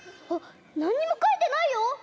なんにもかいてないよ！